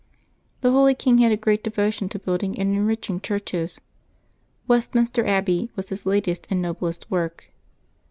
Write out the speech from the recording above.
The holy king had a great devotion to building and enriching churches. Westminster Abbey was his latest and noblest work.